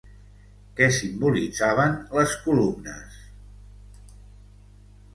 Què simbolitzaven les columnes?